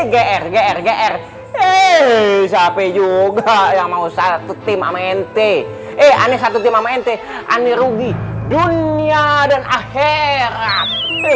gr gr eh siapa juga yang mau satu tim ama nt eh aneh satu tim ama nt aneh rugi dunia dan akhirat